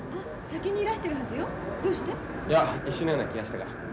先にいらしてるはずよどうして？いや一緒のような気がしたから。